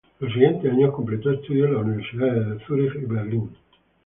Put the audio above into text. Los siguientes años completó estudios en las universidades de Zurich y Berlín.